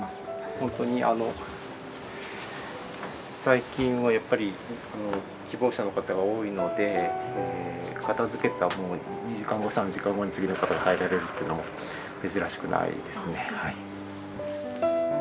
ほんとにあの最近はやっぱり希望者の方が多いので片づけた２時間後３時間後に次の方が入られるっていうのも珍しくないですね。